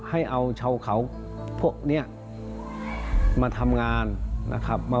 ให้เอาชาวเขาพวกนี้มาทำงานนะครับ